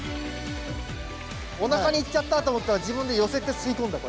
おなかに行っちゃったと思ったら自分で寄せて吸い込んだこうやって。